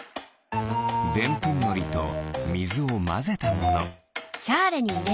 でんぷんのりとみずをまぜたもの。